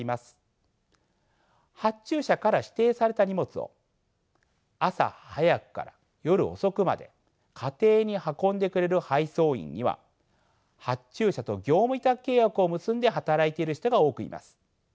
発注者から指定された荷物を朝早くから夜遅くまで家庭に運んでくれる配送員には発注者と業務委託契約を結んで働いている人が多くいます。